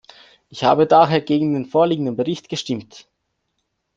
Ich habe daher gegen den vorliegenden Bericht gestimmt.